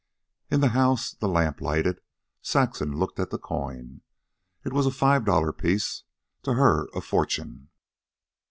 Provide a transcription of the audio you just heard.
In the house, the lamp lighted, Saxon looked at the coin. It was a five dollar piece to her, a fortune.